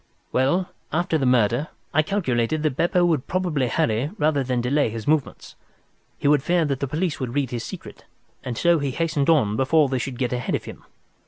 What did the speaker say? Well, after the murder I calculated that Beppo would probably hurry rather than delay his movements. He would fear that the police would read his secret, and so he hastened on before they should get ahead of him.